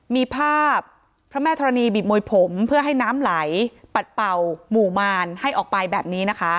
มีภาพพระแม่ธรณีบิดมวยผมเพื่อให้น้ำไหลปัดเป่าหมู่มารให้ออกไปแบบนี้นะคะ